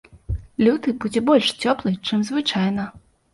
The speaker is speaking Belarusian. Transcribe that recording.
Люты будзе больш цёплы, чым звычайна.